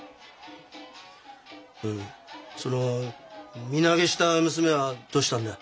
その身投げした娘はどうしたんだ？